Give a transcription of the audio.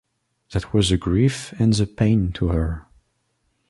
That was the grief and the pain to her.